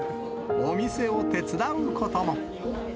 お店を手伝うことも。